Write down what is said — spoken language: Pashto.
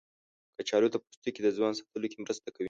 کچالو د پوستکي د ځوان ساتلو کې مرسته کوي.